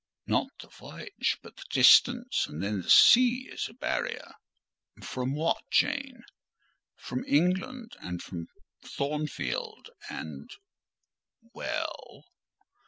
"Not the voyage, but the distance: and then the sea is a barrier—" "From what, Jane?" "From England and from Thornfield: and—" "Well?"